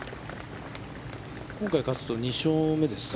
今回、勝つと、２勝目ですか。